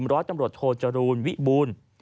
ม้อเล่าจโทจโรนวิบูรณ์